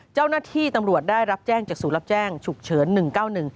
เจ้าหน้าที่ตำรวจได้รับแจ้งจากศูนย์รับแจ้งฉุกเฉิน๑๙๑